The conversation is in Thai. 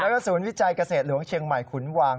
แล้วก็ศูนย์วิจัยเกษตรหลวงเชียงใหม่ขุนวาง